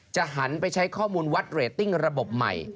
หันไปใช้ข้อมูลวัดเรตติ้งระบบใหม่